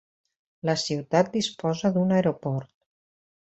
La ciutat disposa d'un aeroport.